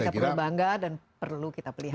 kita perlu bangga dan perlu kita pelihara